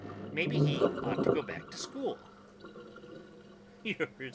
Maybe he ought to go back to school."